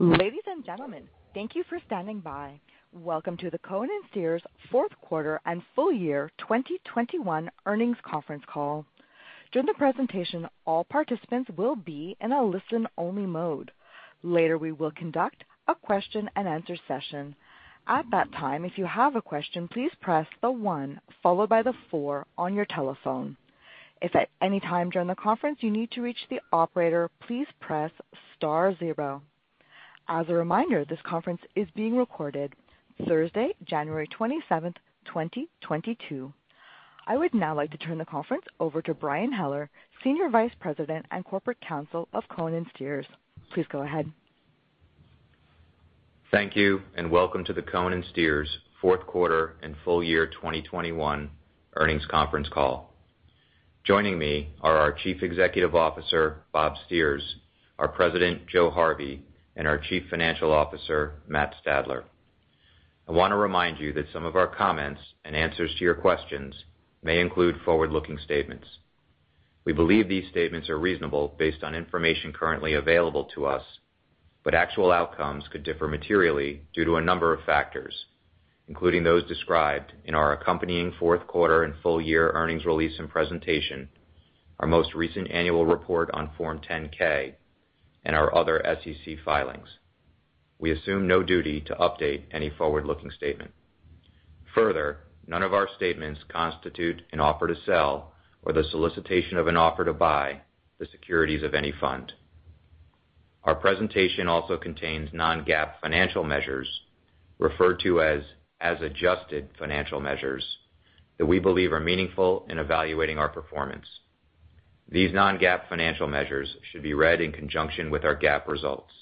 Ladies and gentlemen, thank you for standing by. Welcome to the Cohen & Steers fourth quarter and full year 2021 earnings conference call. During the presentation, all participants will be in a listen-only mode. Later, we will conduct a question-and-answer session. At that time, if you have a question, please press the one followed by the four on your telephone. If at any time during the conference you need to reach the operator, please press star zero. As a reminder, this conference is being recorded Thursday, January 27th, 2022. I would now like to turn the conference over to Brian Heller, Senior Vice President and Corporate Counsel of Cohen & Steers. Please go ahead. Thank you, and welcome to the Cohen & Steers fourth quarter and full year 2021 earnings conference call. Joining me are our Chief Executive Officer, Bob Steers, our President, Joe Harvey, and our Chief Financial Officer, Matt Stadler. I wanna remind you that some of our comments and answers to your questions may include forward-looking statements. We believe these statements are reasonable based on information currently available to us, but actual outcomes could differ materially due to a number of factors, including those described in our accompanying fourth quarter and full year earnings release and presentation, our most recent annual report on Form 10-K, and our other SEC filings. We assume no duty to update any forward-looking statement. Further, none of our statements constitute an offer to sell or the solicitation of an offer to buy the securities of any fund. Our presentation also contains non-GAAP financial measures, referred to as adjusted financial measures, that we believe are meaningful in evaluating our performance. These non-GAAP financial measures should be read in conjunction with our GAAP results.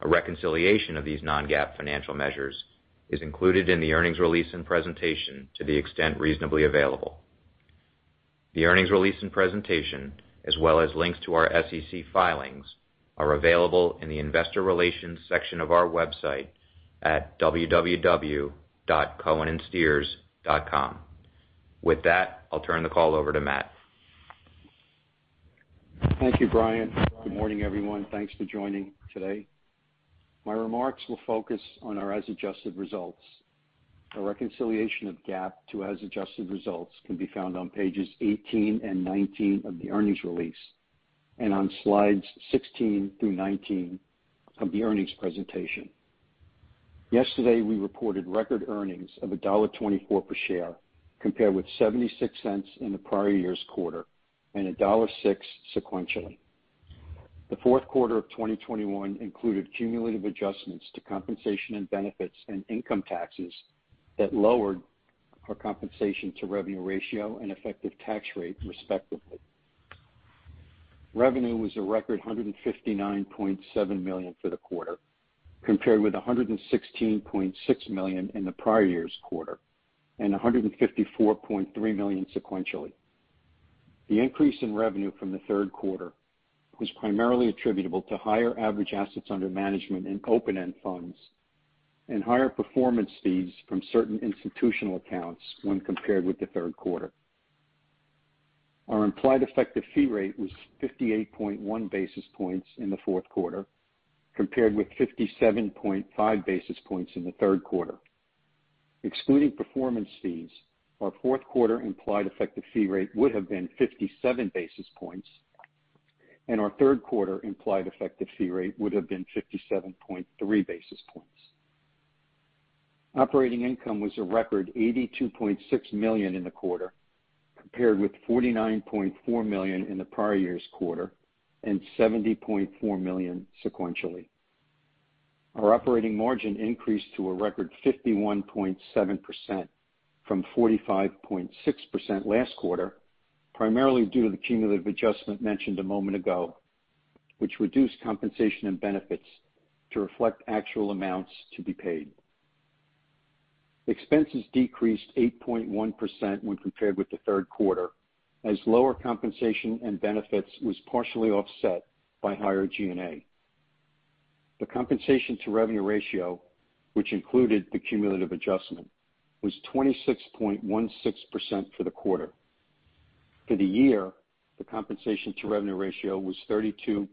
A reconciliation of these non-GAAP financial measures is included in the earnings release and presentation to the extent reasonably available. The earnings release and presentation, as well as links to our SEC filings, are available in the investor relations section of our website at www.cohenandsteers.com. With that, I'll turn the call over to Matt. Thank you, Brian. Good morning, everyone. Thanks for joining today. My remarks will focus on our as adjusted results. A reconciliation of GAAP to as adjusted results can be found on pages 18 and 19 of the earnings release and on slides 16 through 19 of the earnings presentation. Yesterday, we reported record earnings of $1.24 per share, compared with 76 cents in the prior year's quarter, and $1.06 sequentially. The fourth quarter of 2021 included cumulative adjustments to compensation and benefits and income taxes that lowered our compensation to revenue ratio and effective tax rate, respectively. Revenue was a record $159.7 million for the quarter, compared with $116.6 million in the prior year's quarter, and $154.3 million sequentially. The increase in revenue from the third quarter was primarily attributable to higher average assets under management in open-end funds and higher performance fees from certain institutional accounts when compared with the third quarter. Our implied effective fee rate was 58.1 basis points in the fourth quarter, compared with 57.5 basis points in the third quarter. Excluding performance fees, our fourth quarter implied effective fee rate would have been 57 basis points, and our third quarter implied effective fee rate would have been 57.3 basis points. Operating income was a record $82.6 million in the quarter, compared with $49.4 million in the prior year's quarter and $70.4 million sequentially. Our operating margin increased to a record 51.7% from 45.6% last quarter, primarily due to the cumulative adjustment mentioned a moment ago, which reduced compensation and benefits to reflect actual amounts to be paid. Expenses decreased 8.1% when compared with the third quarter, as lower compensation and benefits was partially offset by higher G&A. The compensation to revenue ratio, which included the cumulative adjustment, was 26.16% for the quarter. For the year, the compensation to revenue ratio was 32.22%.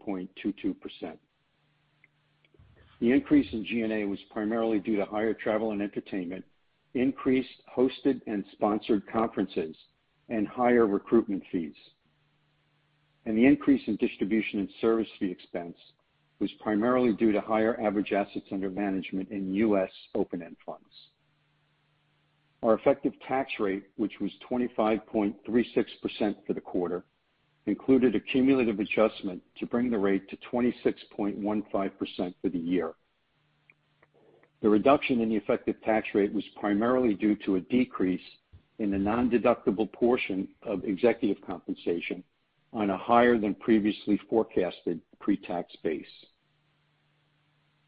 The increase in G&A was primarily due to higher travel and entertainment, increased hosted and sponsored conferences, and higher recruitment fees. The increase in distribution and service fee expense was primarily due to higher average assets under management in U.S. open-end funds. Our effective tax rate, which was 25.36% for the quarter, included a cumulative adjustment to bring the rate to 26.15% for the year. The reduction in the effective tax rate was primarily due to a decrease in the nondeductible portion of executive compensation on a higher than previously forecasted pre-tax base.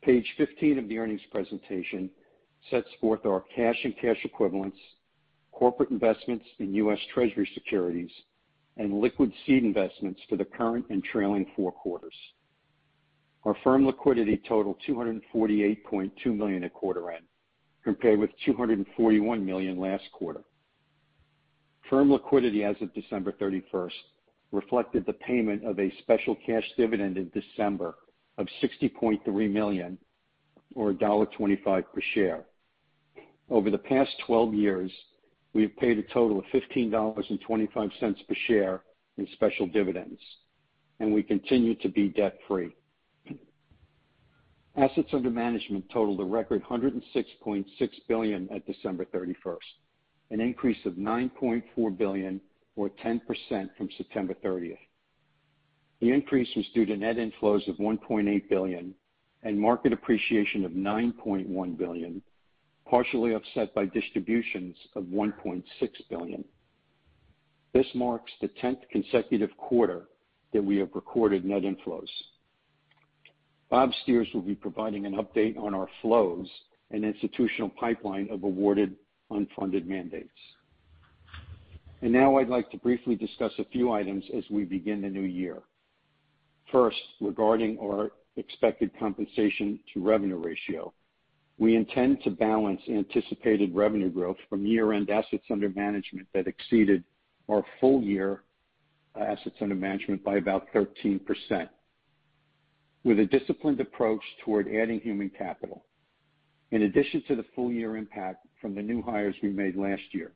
Page 15 of the earnings presentation sets forth our cash and cash equivalents, corporate investments in U.S. Treasury securities, and liquid seed investments for the current and trailing four quarters. Our firm liquidity totaled $248.2 million at quarter end, compared with $241 million last quarter. Firm liquidity as of December 31st reflected the payment of a special cash dividend in December of $60.3 million, or $1.25 per share. Over the past 12 years, we have paid a total of $15.25 per share in special dividends, and we continue to be debt-free. Assets under management totaled a record $106.6 billion at December 31st, an increase of $9.4 billion or 10% from September 30th. The increase was due to net inflows of $1.8 billion and market appreciation of $9.1 billion, partially offset by distributions of $1.6 billion. This marks the 10th consecutive quarter that we have recorded net inflows. Bob Steers will be providing an update on our flows and institutional pipeline of awarded unfunded mandates. Now I'd like to briefly discuss a few items as we begin the new year. First, regarding our expected compensation-to-revenue ratio, we intend to balance anticipated revenue growth from year-end assets under management that exceeded our full year assets under management by about 13% with a disciplined approach toward adding human capital. In addition to the full year impact from the new hires we made last year,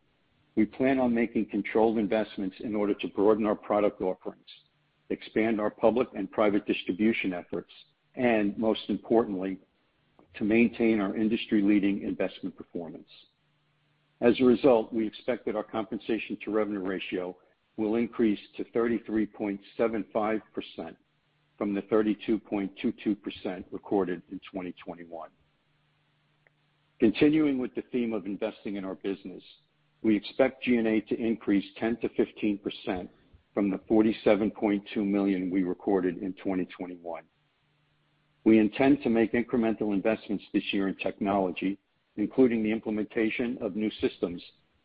we plan on making controlled investments in order to broaden our product offerings, expand our public and private distribution efforts, and most importantly, to maintain our industry-leading investment performance. As a result, we expect that our compensation-to-revenue ratio will increase to 33.75% from the 32.22% recorded in 2021. Continuing with the theme of investing in our business, we expect G&A to increase 10%-15% from the $47.2 million we recorded in 2021. We intend to make incremental investments this year in technology, including the implementation of new systems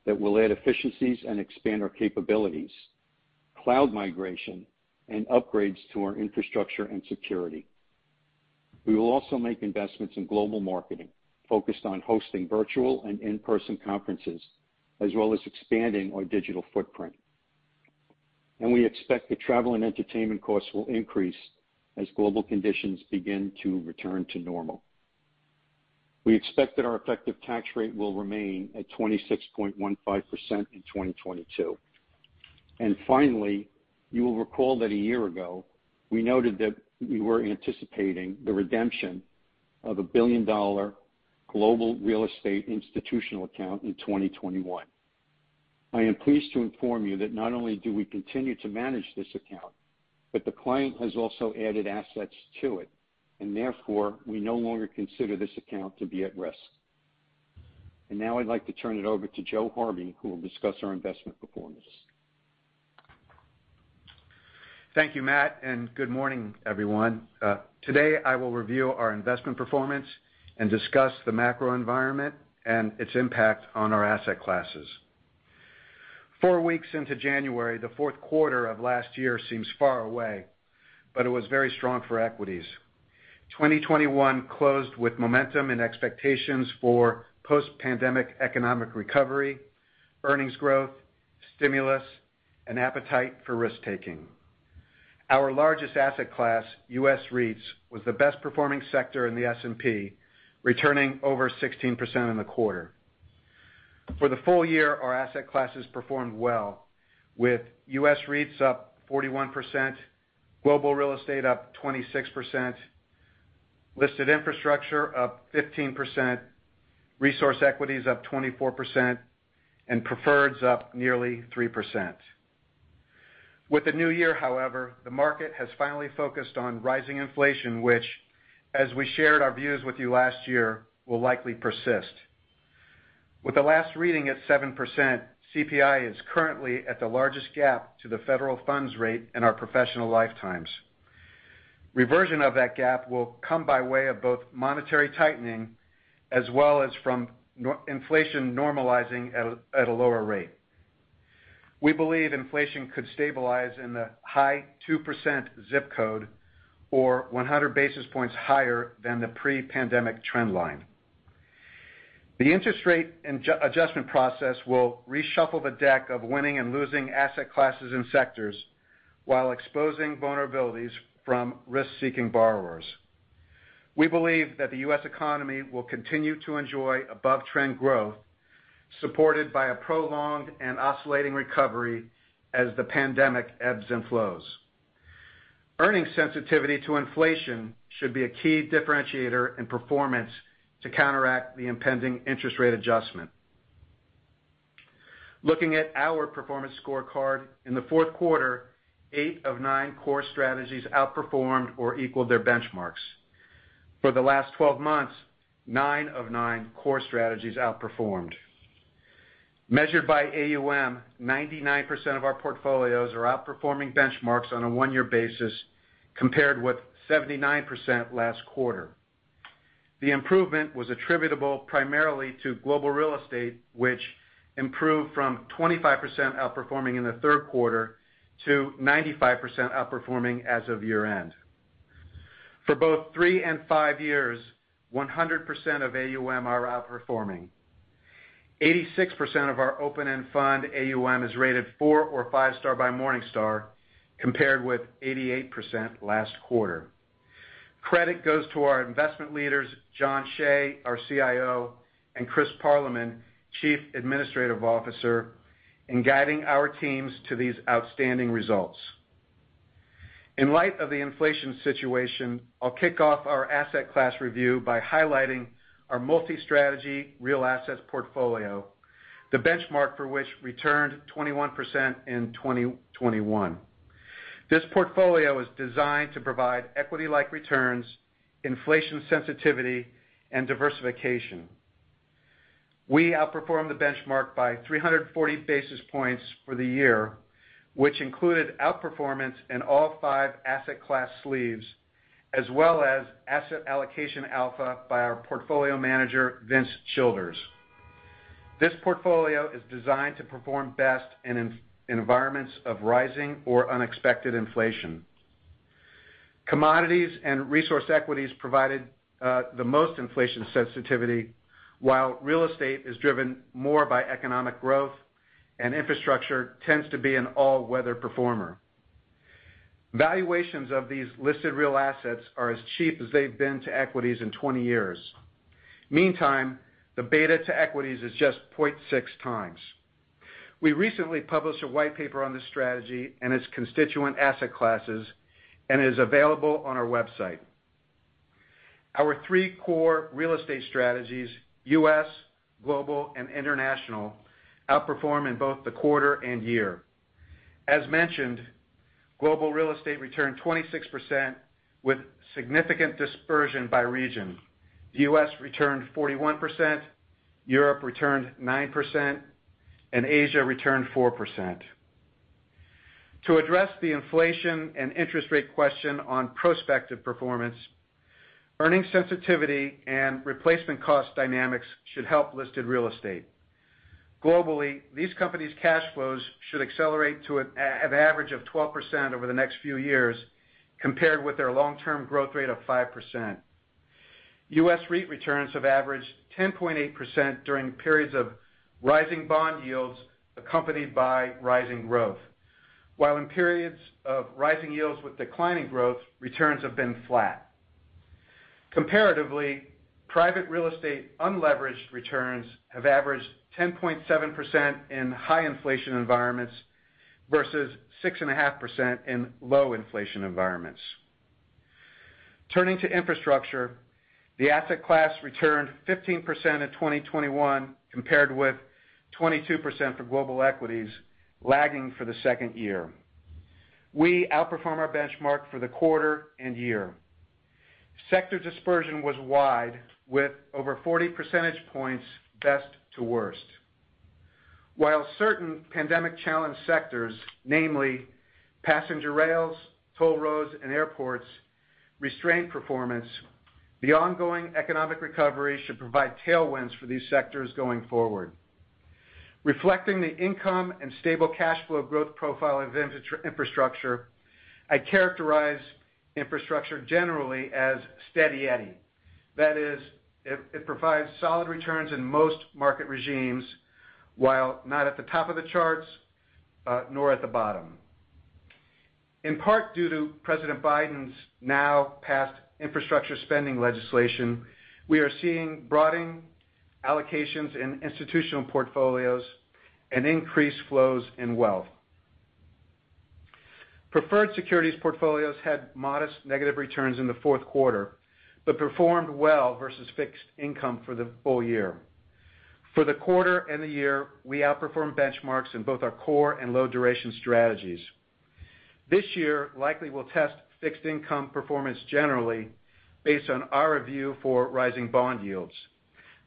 that will add efficiencies and expand our capabilities, cloud migration, and upgrades to our infrastructure and security. We will also make investments in global marketing focused on hosting virtual and in-person conferences, as well as expanding our digital footprint. We expect the travel and entertainment costs will increase as global conditions begin to return to normal. We expect that our effective tax rate will remain at 26.15% in 2022. Finally, you will recall that a year ago, we noted that we were anticipating the redemption of a billion-dollar global real estate institutional account in 2021. I am pleased to inform you that not only do we continue to manage this account, but the client has also added assets to it, and therefore, we no longer consider this account to be at risk. Now I'd like to turn it over to Joe Harvey, who will discuss our investment performance. Thank you, Matt, and good morning, everyone. Today, I will review our investment performance and discuss the macro environment and its impact on our asset classes. Four weeks into January, the fourth quarter of last year seems far away, but it was very strong for equities. 2021 closed with momentum and expectations for post-pandemic economic recovery, earnings growth, stimulus, and appetite for risk-taking. Our largest asset class, U.S. REITs, was the best performing sector in the S&P, returning over 16% in the quarter. For the full year, our asset classes performed well, with U.S. REITs up 41%, global real estate up 26%, listed infrastructure up 15%, resource equities up 24%, and preferreds up nearly 3%. With the new year, however, the market has finally focused on rising inflation, which, as we shared our views with you last year, will likely persist. With the last reading at 7%, CPI is currently at the largest gap to the federal funds rate in our professional lifetimes. Reversion of that gap will come by way of both monetary tightening as well as from non-inflation normalizing at a lower rate. We believe inflation could stabilize in the high 2% zip code or 100 basis points higher than the pre-pandemic trend line. The interest rate adjustment process will reshuffle the deck of winning and losing asset classes and sectors while exposing vulnerabilities from risk-seeking borrowers. We believe that the U.S. economy will continue to enjoy above-trend growth supported by a prolonged and oscillating recovery as the pandemic ebbs and flows. Earnings sensitivity to inflation should be a key differentiator in performance to counteract the impending interest rate adjustment. Looking at our performance scorecard, in the fourth quarter, eight of nine core strategies outperformed or equaled their benchmarks. For the last 12 months, nine of nine core strategies outperformed. Measured by AUM, 99% of our portfolios are outperforming benchmarks on a one-year basis compared with 79% last quarter. The improvement was attributable primarily to global real estate, which improved from 25% outperforming in the third quarter to 95% outperforming as of year-end. For both three and five years, 100% of AUM are outperforming. 86% of our open-end fund AUM is rated four or five star by Morningstar, compared with 88% last quarter. Credit goes to our investment leaders, Jon Cheigh, our CIO, and Chris Parliman, Chief Administrative Officer, in guiding our teams to these outstanding results. In light of the inflation situation, I'll kick off our asset class review by highlighting our multi-strategy real assets portfolio, the benchmark for which returned 21% in 2021. This portfolio is designed to provide equity-like returns, inflation sensitivity, and diversification. We outperformed the benchmark by 340 basis points for the year, which included outperformance in all five asset class sleeves, as well as asset allocation alpha by our portfolio manager, Vince Childers. This portfolio is designed to perform best in environments of rising or unexpected inflation. Commodities and resource equities provided the most inflation sensitivity, while real estate is driven more by economic growth, and infrastructure tends to be an all-weather performer. Valuations of these listed real assets are as cheap as they've been to equities in 20 years. Meantime, the beta to equities is just 0.6x. We recently published a white paper on this strategy and its constituent asset classes, and it is available on our website. Our three core real estate strategies, U.S., global, and international, outperform in both the quarter and year. As mentioned, global real estate returned 26% with significant dispersion by region. U.S. returned 41%, Europe returned 9%, and Asia returned 4%. To address the inflation and interest rate question on prospective performance, earning sensitivity and replacement cost dynamics should help listed real estate. Globally, these companies' cash flows should accelerate to an average of 12% over the next few years, compared with their long-term growth rate of 5%. U.S. REIT returns have averaged 10.8% during periods of rising bond yields accompanied by rising growth. While in periods of rising yields with declining growth, returns have been flat. Comparatively, private real estate unleveraged returns have averaged 10.7% in high inflation environments versus 6.5% in low inflation environments. Turning to infrastructure, the asset class returned 15% in 2021 compared with 22% for global equities, lagging for the second year. We outperform our benchmark for the quarter and year. Sector dispersion was wide, with over 40 percentage points best to worst. While certain pandemic-challenged sectors, namely passenger rails, toll roads, and airports, restrained performance, the ongoing economic recovery should provide tailwinds for these sectors going forward. Reflecting the income and stable cash flow growth profile of infrastructure, I characterize infrastructure generally as steady eddy. That is, it provides solid returns in most market regimes, while not at the top of the charts, nor at the bottom. In part due to President Biden's now passed infrastructure spending legislation, we are seeing broadening allocations in institutional portfolios and increased flows in wealth. Preferred securities portfolios had modest negative returns in the fourth quarter, but performed well versus fixed income for the full year. For the quarter and the year, we outperformed benchmarks in both our core and low-duration strategies. This year likely will test fixed income performance generally based on our review for rising bond yields.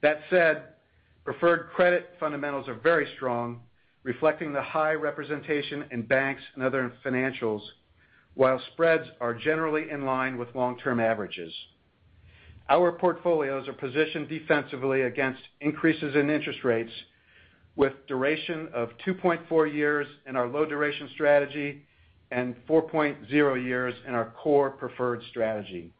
That said, preferred credit fundamentals are very strong, reflecting the high representation in banks and other financials, while spreads are generally in line with long-term averages. Our portfolios are positioned defensively against increases in interest rates with duration of 2.4 years in our low-duration strategy and 4.0 years in our core preferred strategy.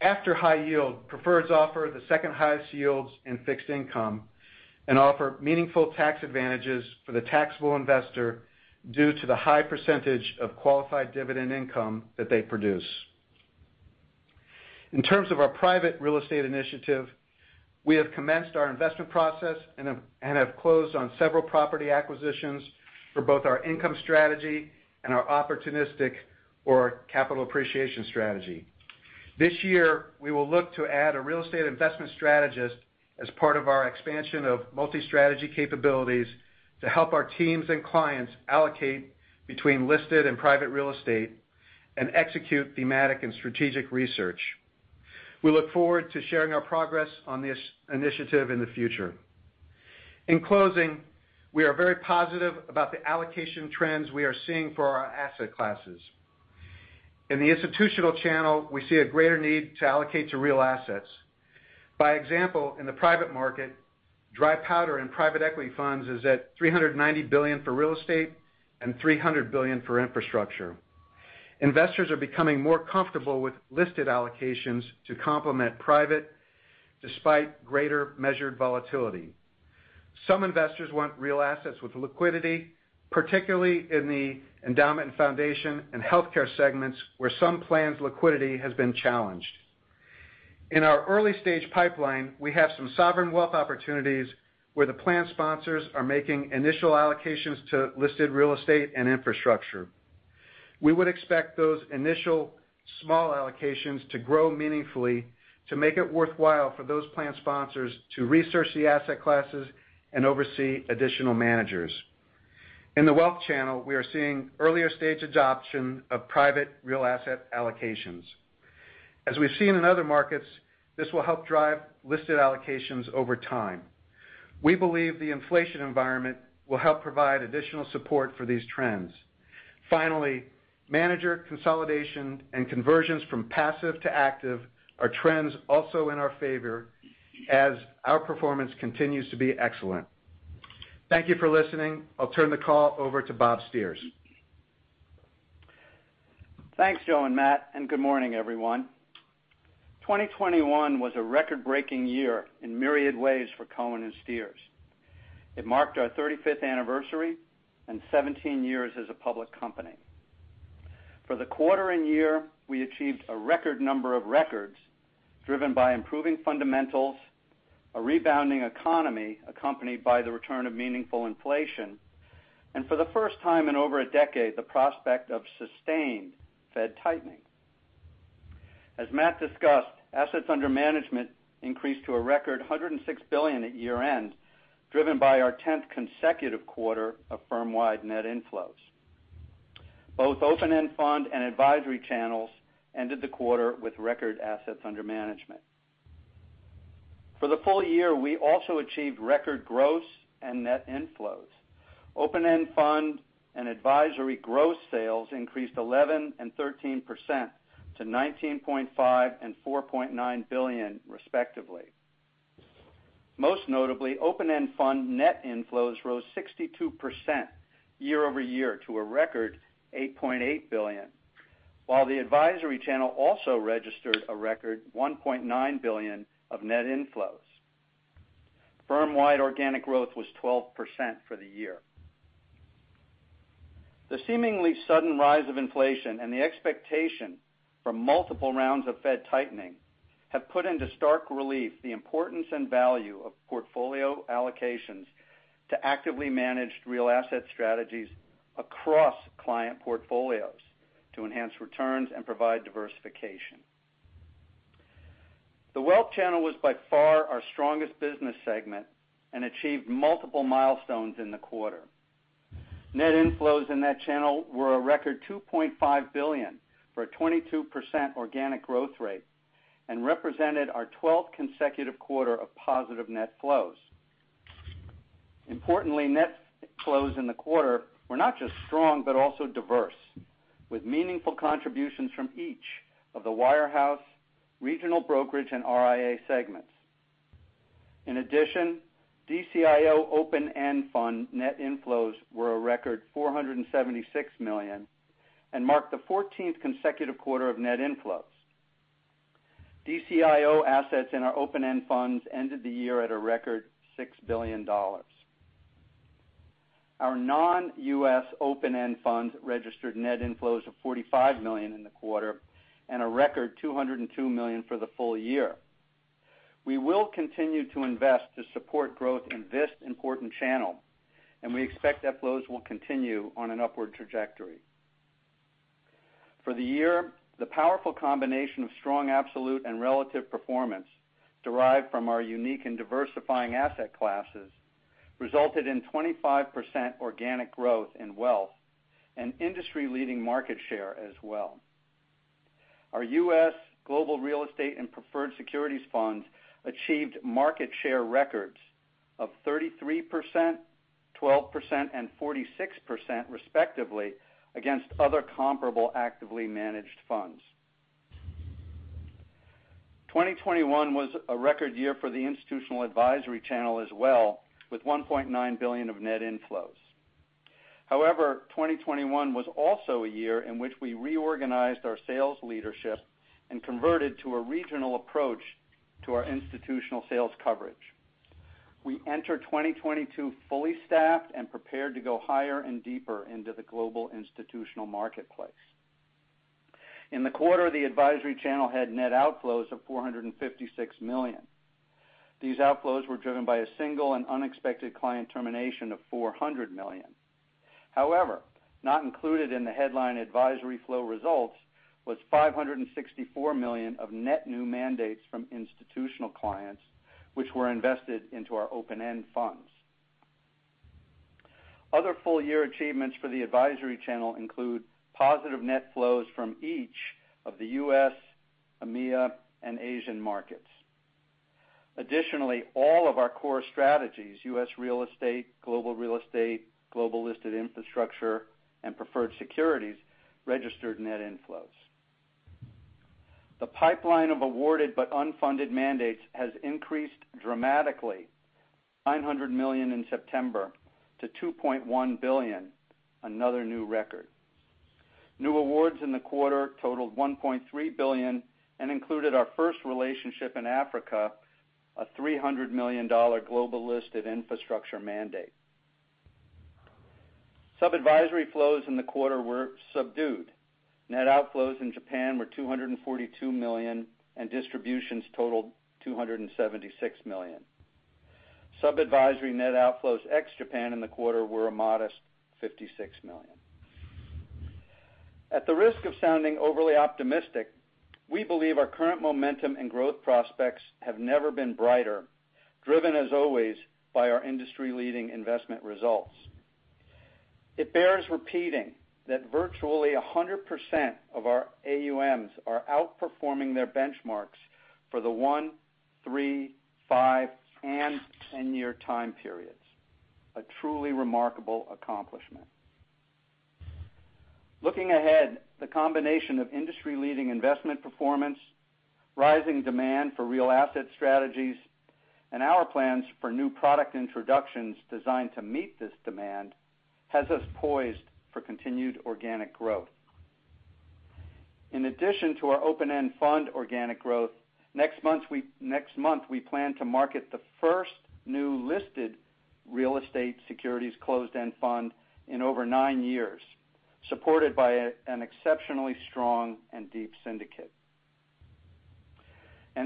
After high yield, preferreds offer the second-highest yields in fixed income and offer meaningful tax advantages for the taxable investor due to the high percentage of qualified dividend income that they produce. In terms of our private real estate initiative, we have commenced our investment process and have closed on several property acquisitions for both our income strategy and our opportunistic or capital appreciation strategy. This year, we will look to add a real estate investment strategist as part of our expansion of multi-strategy capabilities to help our teams and clients allocate between listed and private real estate and execute thematic and strategic research. We look forward to sharing our progress on this initiative in the future. In closing, we are very positive about the allocation trends we are seeing for our asset classes. In the institutional channel, we see a greater need to allocate to real assets. By example, in the private market, dry powder and private equity funds is at $390 billion for real estate and $300 billion for infrastructure. Investors are becoming more comfortable with listed allocations to complement private despite greater measured volatility. Some investors want real assets with liquidity, particularly in the endowment foundation and healthcare segments, where some plans' liquidity has been challenged. In our early-stage pipeline, we have some sovereign wealth opportunities where the plan sponsors are making initial allocations to listed real estate and infrastructure. We would expect those initial small allocations to grow meaningfully to make it worthwhile for those plan sponsors to research the asset classes and oversee additional managers. In the wealth channel, we are seeing earlier stage adoption of private real asset allocations. As we've seen in other markets, this will help drive listed allocations over time. We believe the inflation environment will help provide additional support for these trends. Finally, manager consolidation and conversions from passive to active are trends also in our favor as our performance continues to be excellent. Thank you for listening. I'll turn the call over to Bob Steers. Thanks, Joe and Matt, and good morning, everyone. 2021 was a record-breaking year in myriad ways for Cohen & Steers. It marked our 35th anniversary and 17 years as a public company. For the quarter and year, we achieved a record number of records driven by improving fundamentals, a rebounding economy accompanied by the return of meaningful inflation, and for the first time in over a decade, the prospect of sustained Fed tightening. As Matt discussed, assets under management increased to a record $106 billion at year-end, driven by our 10th consecutive quarter of firm-wide net inflows. Both open-end fund and advisory channels ended the quarter with record assets under management. For the full year, we also achieved record gross and net inflows. Open-end fund and advisory gross sales increased 11% and 13% to $19.5 billion and $4.9 billion, respectively. Most notably, open-end fund net inflows rose 62% year-over-year to a record $8.8 billion, while the advisory channel also registered a record $1.9 billion of net inflows. Firm-wide organic growth was 12% for the year. The seemingly sudden rise of inflation and the expectation for multiple rounds of Fed tightening have put into stark relief the importance and value of portfolio allocations to actively managed real asset strategies across client portfolios to enhance returns and provide diversification. The Wealth channel was by far our strongest business segment and achieved multiple milestones in the quarter. Net inflows in that channel were a record $2.5 billion, for a 22% organic growth rate, and represented our 12th consecutive quarter of positive net flows. Importantly, net flows in the quarter were not just strong but also diverse, with meaningful contributions from each of the wirehouse, regional brokerage, and RIA segments. In addition, DCIO open-end fund net inflows were a record $476 million and marked the 14th consecutive quarter of net inflows. DCIO assets in our open-end funds ended the year at a record $6 billion. Our non-US open-end funds registered net inflows of $45 million in the quarter and a record $202 million for the full year. We will continue to invest to support growth in this important channel, and we expect that flows will continue on an upward trajectory. For the year, the powerful combination of strong, absolute, and relative performance derived from our unique and diversifying asset classes resulted in 25% organic growth in wealth and industry-leading market share as well. Our U.S. global real estate and preferred securities funds achieved market share records of 33%, 12%, and 46%, respectively, against other comparable, actively managed funds. 2021 was a record year for the institutional advisory channel as well, with $1.9 billion of net inflows. However, 2021 was also a year in which we reorganized our sales leadership and converted to a regional approach to our institutional sales coverage. We enter 2022 fully staffed and prepared to go higher and deeper into the global institutional marketplace. In the quarter, the advisory channel had net outflows of $456 million. These outflows were driven by a single and unexpected client termination of $400 million. However, not included in the headline advisory flow results was $564 million of net new mandates from institutional clients, which were invested into our open-end funds. Other full-year achievements for the advisory channel include positive net flows from each of the U.S., EMEA, and Asian markets. Additionally, all of our core strategies, U.S. real estate, global real estate, Global Listed Infrastructure, and Preferred Securities, registered net inflows. The pipeline of awarded but unfunded mandates has increased dramatically, $900 million in September to $2.1 billion, another new record. New awards in the quarter totaled $1.3 billion and included our first relationship in Africa, a $300 million Global Listed Infrastructure mandate. Sub-advisory flows in the quarter were subdued. Net outflows in Japan were $242 million, and distributions totaled $276 million. Sub-advisory net outflows ex Japan in the quarter were a modest $56 million. At the risk of sounding overly optimistic, we believe our current momentum and growth prospects have never been brighter, driven as always by our industry-leading investment results. It bears repeating that virtually 100% of our AUMs are outperforming their benchmarks for the one, three, five, and 10-year time periods. A truly remarkable accomplishment. Looking ahead, the combination of industry-leading investment performance, rising demand for real asset strategies, and our plans for new product introductions designed to meet this demand has us poised for continued organic growth. In addition to our open-end fund organic growth, next month, we plan to market the first new listed real estate securities closed-end fund in over nine years, supported by an exceptionally strong and deep syndicate.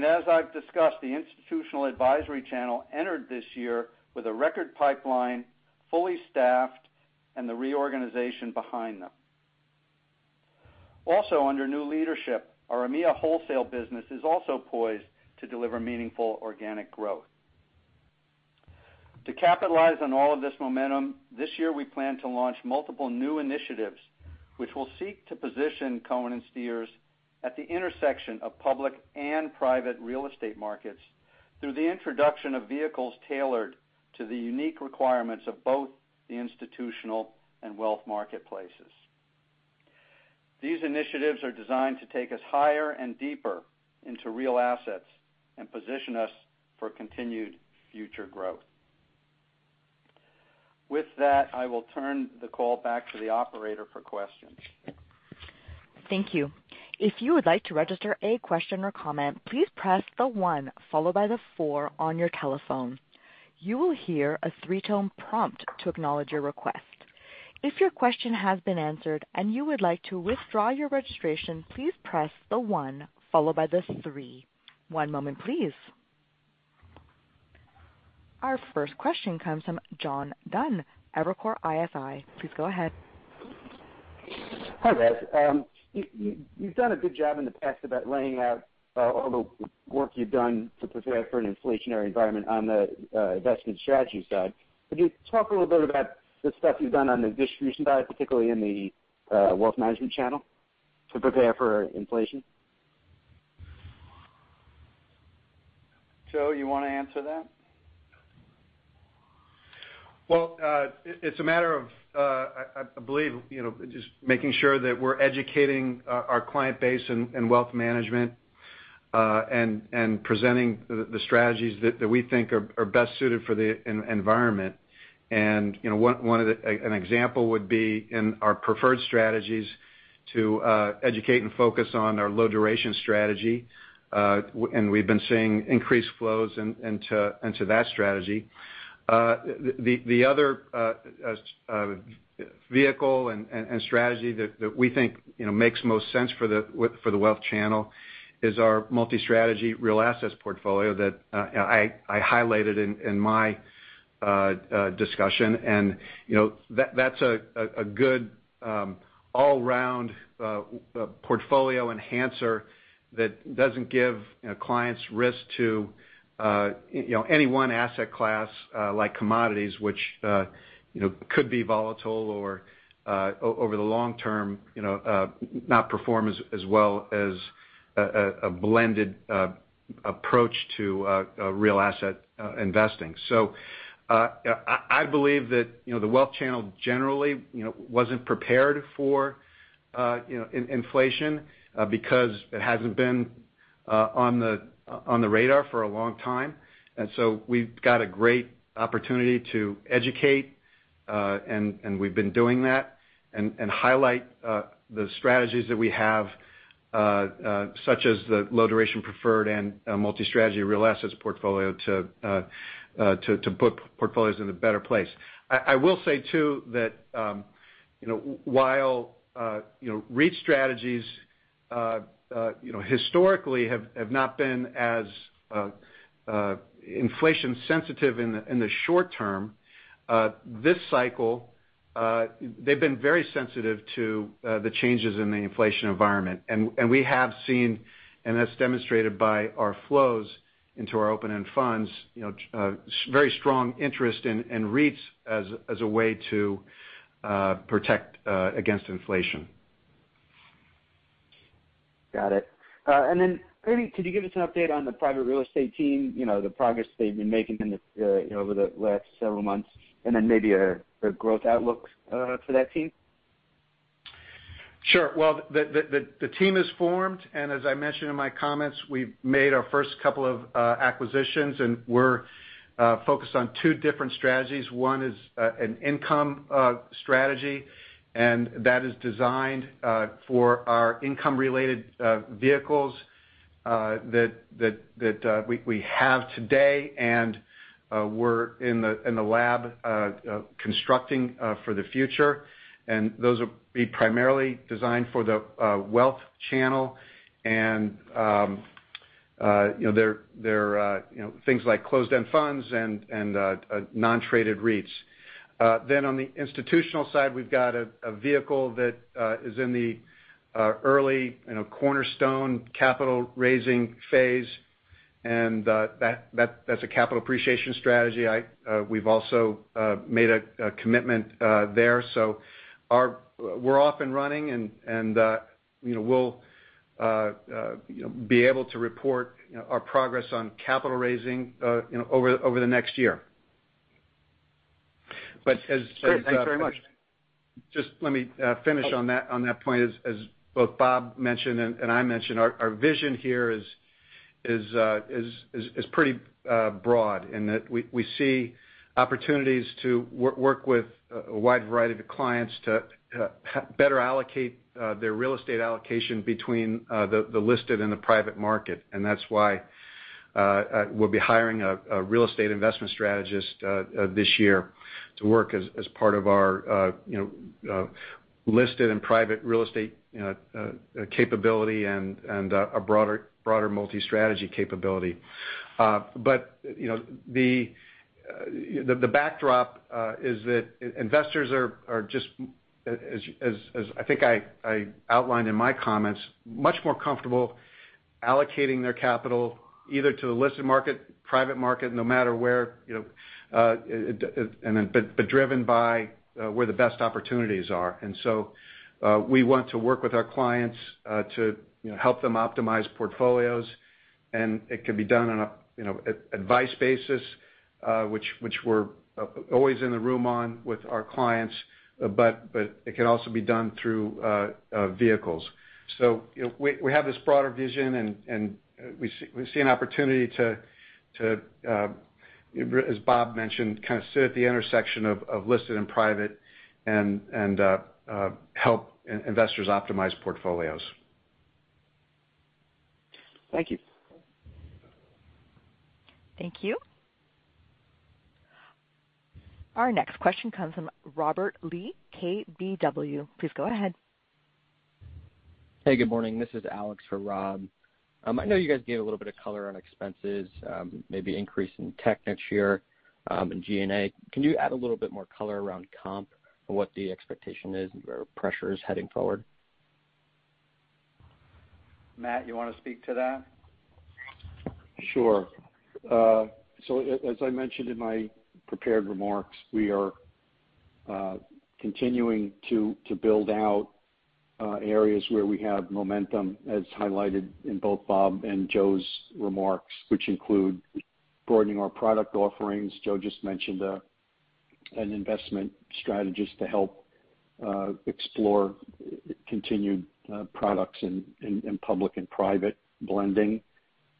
As I've discussed, the institutional advisory channel entered this year with a record pipeline, fully staffed and the reorganization behind them. Also, under new leadership, our EMEA wholesale business is also poised to deliver meaningful organic growth. To capitalize on all of this momentum, this year, we plan to launch multiple new initiatives which will seek to position Cohen & Steers at the intersection of public and private real estate markets through the introduction of vehicles tailored to the unique requirements of both the institutional and wealth marketplaces. These initiatives are designed to take us higher and deeper into real assets and position us for continued future growth. With that, I will turn the call back to the operator for questions. One moment, please. Our first question comes from John Dunn, Evercore ISI. Please go ahead. Hi, guys. You've done a good job in the past about laying out all the work you've done to prepare for an inflationary environment on the investment strategies side. Could you talk a little bit about the stuff you've done on the distribution side, particularly in the wealth management channel to prepare for inflation? Joe, you wanna answer that? Well, it's a matter of, I believe, you know, just making sure that we're educating our client base in wealth management, and presenting the strategies that we think are best suited for the environment. You know, an example would be in our preferred strategies to educate and focus on our low duration strategy. We've been seeing increased flows into that strategy. The other vehicle and strategy that we think, you know, makes most sense for the wealth channel is our multi-strategy real assets portfolio that I highlighted in my discussion. You know, that's a good all-around portfolio enhancer that doesn't give you know clients risk to you know any one asset class like commodities, which you know could be volatile or over the long term you know not perform as well as a blended approach to real asset investing. I believe that you know the wealth channel generally you know wasn't prepared for you know inflation because it hasn't been on the radar for a long time. We've got a great opportunity to educate, and we've been doing that, and highlight the strategies that we have, such as the low duration preferred and multi-strategy real assets portfolio to put portfolios in a better place. I will say too that, you know, while, you know, REIT strategies, you know, historically have not been as inflation sensitive in the short term. This cycle, they've been very sensitive to the changes in the inflation environment. We have seen, and that's demonstrated by our flows into our open-end funds, you know, very strong interest in REITs as a way to protect against inflation. Got it. And then, could you give us an update on the private real estate team, you know, the progress they've been making in the, you know, over the last several months, and then maybe, the growth outlook, for that team? Sure. Well, the team is formed, and as I mentioned in my comments, we've made our first couple of acquisitions, and we're focused on two different strategies. One is an income strategy, and that is designed for our income-related vehicles that we have today and we're in the lab constructing for the future. Those will be primarily designed for the wealth channel and you know, they're you know, things like closed-end funds and non-traded REITs. Then on the institutional side, we've got a vehicle that is in the early you know, cornerstone capital raising phase, and that's a capital appreciation strategy. We've also made a commitment there. We're off and running and, you know, we'll, you know, be able to report, you know, our progress on capital raising, you know, over the next year. As Great. Thanks very much. Just let me finish on that point. As both Bob mentioned and I mentioned, our vision here is pretty broad in that we see opportunities to work with a wide variety of clients to better allocate their real estate allocation between the listed and the private market. That's why we'll be hiring a real estate investment strategist this year to work as part of our you know listed and private real estate you know capability and a broader multi-strategy capability. You know, the backdrop is that investors are just as I think I outlined in my comments, much more comfortable allocating their capital either to the listed market, private market, no matter where, you know, but driven by where the best opportunities are. We want to work with our clients to you know, help them optimize portfolios, and it can be done on a you know, advice basis, which we're always in the room on with our clients, but it can also be done through vehicles. You know, we have this broader vision, and we see an opportunity to, as Bob mentioned, kind of sit at the intersection of listed and private and help investors optimize portfolios. Thank you. Thank you. Our next question comes from Robert Lee, KBW. Please go ahead. Hey, good morning. This is Alex for Rob. I know you guys gave a little bit of color on expenses, maybe increase in tech next year, and G&A. Can you add a little bit more color around comp and what the expectation is or pressure is heading forward? Matt, you want to speak to that? Sure. So as I mentioned in my prepared remarks, we are continuing to build out areas where we have momentum as highlighted in both Bob and Joe's remarks, which include broadening our product offerings. Joe just mentioned an investment strategist to help explore continued products in public and private blending.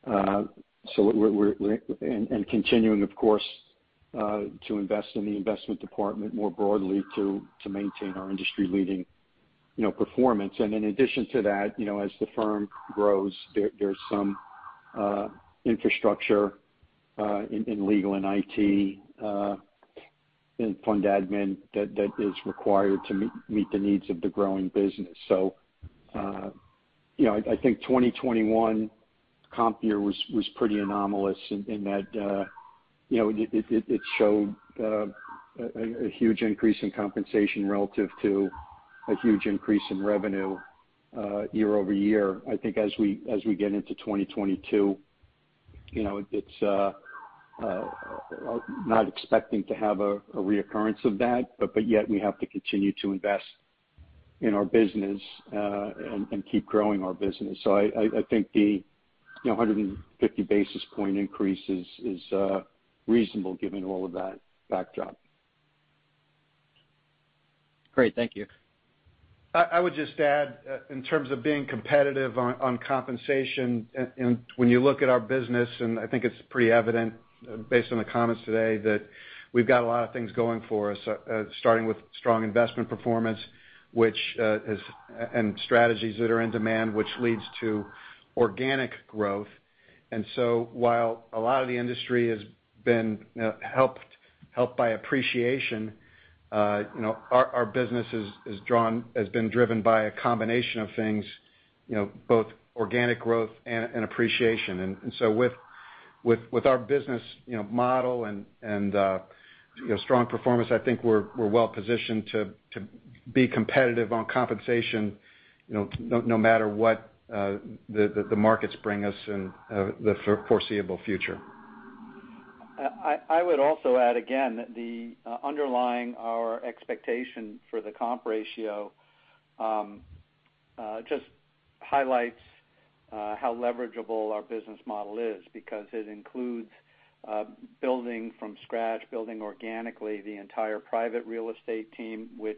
So we're continuing of course to invest in the investment department more broadly to maintain our industry leading, you know, performance. In addition to that, you know, as the firm grows, there's some infrastructure in legal and IT in fund admin that is required to meet the needs of the growing business. You know, I think 2021 comp year was pretty anomalous in that, you know, it showed a huge increase in compensation relative to a huge increase in revenue year-over-year. I think as we get into 2022, you know, it's not expecting to have a reoccurrence of that, but yet we have to continue to invest in our business and keep growing our business. I think the, you know, 150 basis point increase is reasonable given all of that backdrop. Great. Thank you. I would just add in terms of being competitive on compensation and when you look at our business, and I think it's pretty evident based on the comments today, that we've got a lot of things going for us, starting with strong investment performance, which and strategies that are in demand, which leads to organic growth. While a lot of the industry has been, you know, helped by appreciation, you know, our business has been driven by a combination of things, you know, both organic growth and appreciation. With our business, you know, model and strong performance, I think we're well positioned to be competitive on compensation, you know, no matter what the markets bring us in the foreseeable future. I would also add again that the underlying our expectation for the comp ratio Just highlights how leverageable our business model is because it includes building from scratch, building organically the entire private real estate team, which,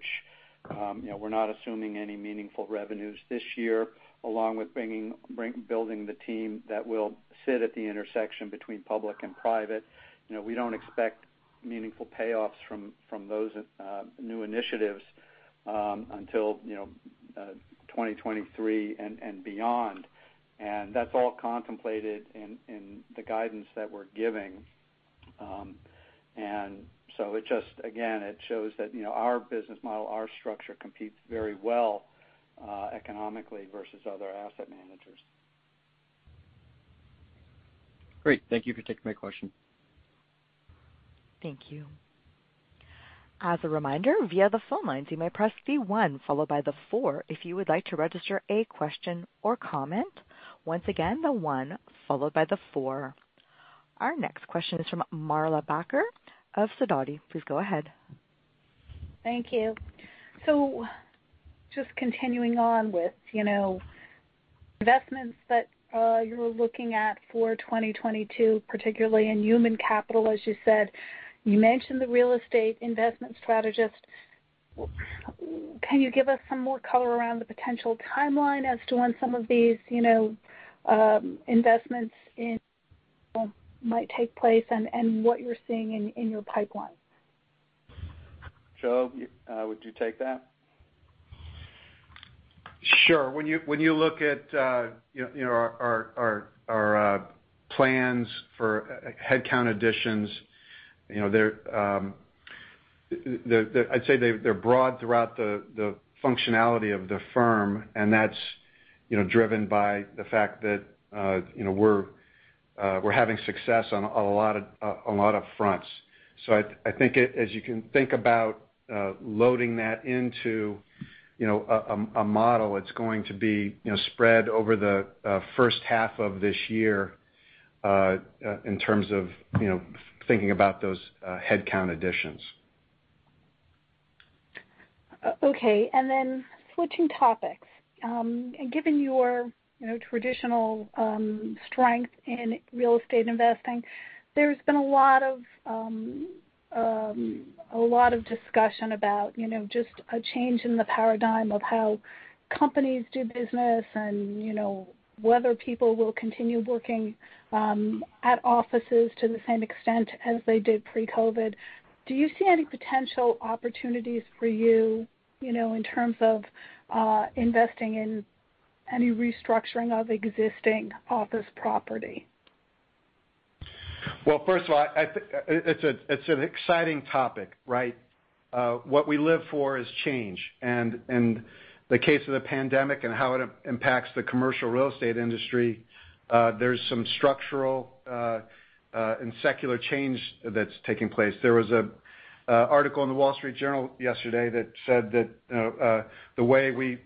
you know, we're not assuming any meaningful revenues this year, along with building the team that will sit at the intersection between public and private. You know, we don't expect meaningful payoffs from those new initiatives until, you know, 2023 and beyond. That's all contemplated in the guidance that we're giving. It just again shows that, you know, our business model, our structure competes very well economically versus other asset managers. Great. Thank you for taking my question. Thank you. As a reminder, via the phone lines, you may press the one followed by the four if you would like to register a question or comment. Once again, the one followed by the four. Our next question is from Marla Backer of Sidoti. Please go ahead. Thank you. Just continuing on with, you know, investments that you were looking at for 2022, particularly in human capital, as you said. You mentioned the real estate investment strategist. Can you give us some more color around the potential timeline as to when some of these, you know, investments in might take place and what you're seeing in your pipeline? Joe, would you take that? Sure. When you look at, you know, our plans for headcount additions, you know, they're. I'd say they're broad throughout the functionality of the firm, and that's, you know, driven by the fact that, you know, we're having success on a lot of fronts. I think as you can think about loading that into, you know, a model, it's going to be, you know, spread over the first half of this year, in terms of, you know, thinking about those headcount additions. Okay. Then switching topics. Given your, you know, traditional strength in real estate investing, there's been a lot of discussion about, you know, just a change in the paradigm of how companies do business and, you know, whether people will continue working at offices to the same extent as they did pre-COVID. Do you see any potential opportunities for you know, in terms of investing in any restructuring of existing office property? Well, first of all, it's an exciting topic, right? What we live for is change. In the case of the pandemic and how it impacts the commercial real estate industry, there's some structural and secular change that's taking place. There was an article in the Wall Street Journal yesterday that said that the way we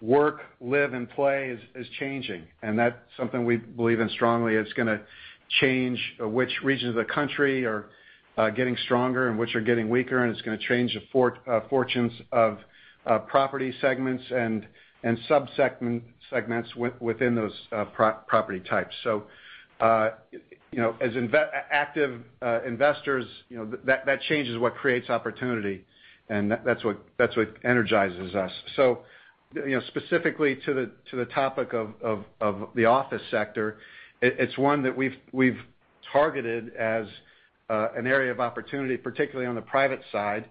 work, live, and play is changing, and that's something we believe in strongly. It's gonna change which regions of the country are getting stronger and which are getting weaker, and it's gonna change the fortunes of property segments and subsegments within those property types. You know, as active investors, you know, that change is what creates opportunity, and that's what energizes us. You know, specifically to the topic of the office sector, it's one that we've targeted as an area of opportunity, particularly on the private side.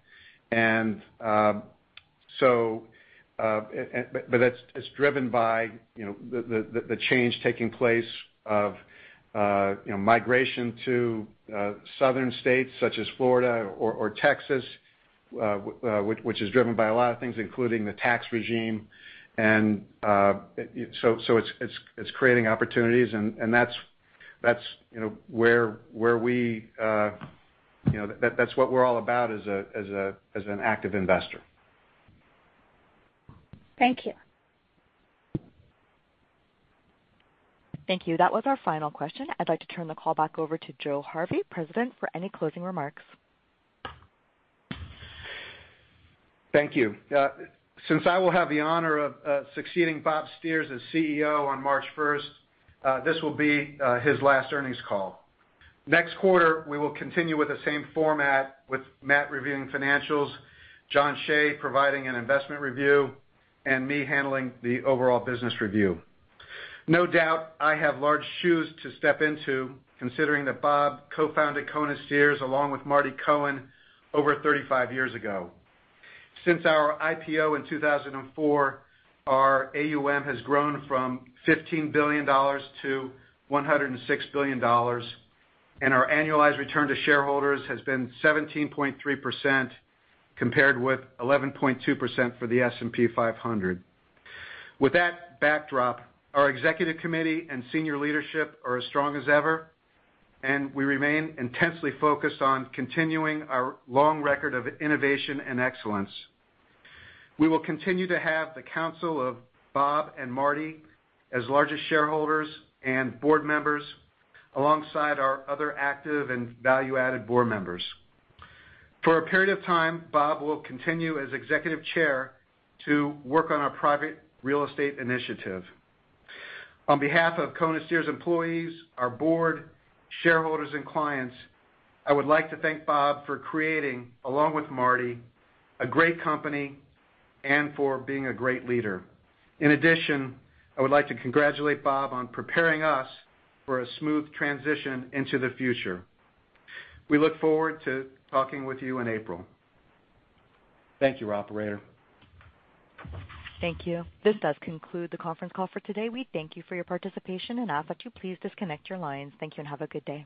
But it's driven by you know the change taking place of migration to Southern states such as Florida or Texas, which is driven by a lot of things, including the tax regime. It's creating opportunities, and that's you know where we you know that's what we're all about as an active investor. Thank you. Thank you. That was our final question. I'd like to turn the call back over to Joe Harvey, President, for any closing remarks. Thank you. Since I will have the honor of succeeding Bob Steers as CEO on March first, this will be his last earnings call. Next quarter, we will continue with the same format with Matt reviewing financials, Jon Cheigh providing an investment review, and me handling the overall business review. No doubt I have large shoes to step into, considering that Bob co-founded Cohen & Steers along with Marty Cohen over 35 years ago. Since our IPO in 2004, our AUM has grown from $15 billion to $106 billion, and our annualized return to shareholders has been 17.3%, compared with 11.2% for the S&P 500. With that backdrop, our executive committee and senior leadership are as strong as ever, and we remain intensely focused on continuing our long record of innovation and excellence. We will continue to have the counsel of Bob and Marty as largest shareholders and board members alongside our other active and value-added board members. For a period of time, Bob will continue as executive chair to work on our private real estate initiative. On behalf of Cohen & Steers employees, our board, shareholders, and clients, I would like to thank Bob for creating, along with Marty, a great company and for being a great leader. In addition, I would like to congratulate Bob on preparing us for a smooth transition into the future. We look forward to talking with you in April. Thank you, operator. Thank you. This does conclude the conference call for today. We thank you for your participation and ask that you please disconnect your lines. Thank you, and have a good day.